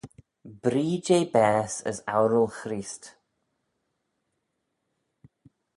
Bree jeh baase as oural Chreest.